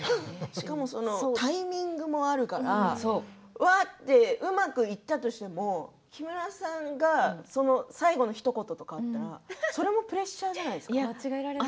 タイミングもあるからうまくいったとしても木村さんが最後のひと言とかかんだらそれはプレッシャーじゃないですか。